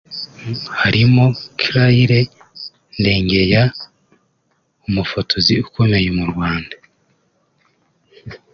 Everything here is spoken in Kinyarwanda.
harimo Cyrill Ndegeya umufotozi ukomeye mu Rwanda